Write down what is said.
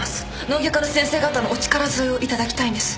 脳外科の先生方のお力添えをいただきたいんです